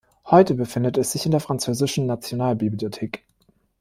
Heute befindet es sich in der französischen Nationalbibliothek.